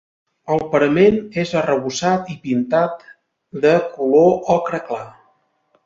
El parament és arrebossat i pintat de color ocre clar.